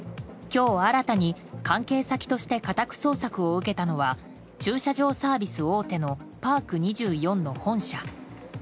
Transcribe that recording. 今日新たに、関係先として家宅捜索を受けたのは駐車場サービス大手のパーク２４の本社。